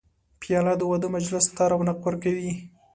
پیاله د واده مجلس ته رونق ورکوي.